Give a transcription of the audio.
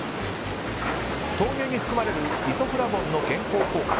豆乳に含まれるイソフラボンの健康効果。